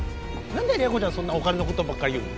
何で麗子ちゃんそんなお金のことばっか言うの？